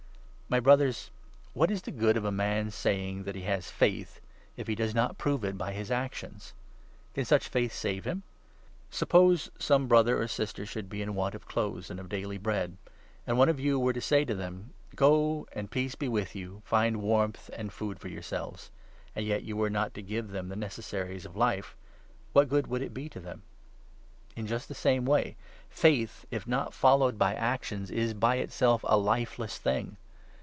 My Brothers, what is the good of a man's saying 14 On ' Faith that he has faith, if he does not prove it by actions ? ^"J^, Can such faith save him ? Suppose some Brother 15 or Sister should be in want of clothes and of daily bread, and one of you were to say to them —" Go, and peace 16 be with you ; find warmth and food for yourselves," and yet you were not to give them the necessaries of life, what good would it be to them ? In just the same way faith, if not followed by 17 actions, is, by itself, a lifeless thing.